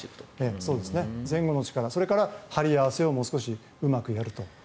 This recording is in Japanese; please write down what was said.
前後の力、それから張り合わせをもう少しうまくやると。